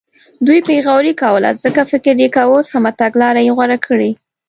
دوی بې غوري کوله ځکه فکر یې کاوه سمه تګلاره یې غوره کړې.